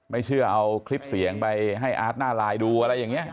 ไม่เชื่อเอาคลิปเสียงไปให้อาร์ตหน้าไลน์ดูอะไรอย่างนี้